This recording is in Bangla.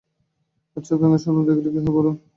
আচ্ছা, ব্যাঙের স্বপ্ন দেখিলে কী হয় বলুন দেখি।